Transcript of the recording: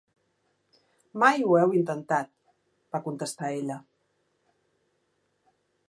"Mai ho heu intentat", va contestar ella.